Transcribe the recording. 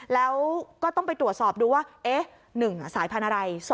แล้วก็ต้องไปตรวจสอบดูว่า๑สายพันธุ์อะไร